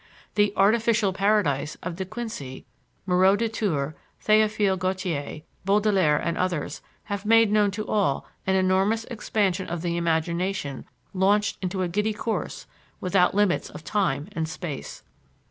The "artificial paradise" of DeQuincy, Moreau de Tours, Théophile Gautier, Baudelaire and others have made known to all an enormous expansion of the imagination launched into a giddy course without limits of time and space.